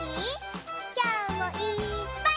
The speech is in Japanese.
きょうもいっぱい。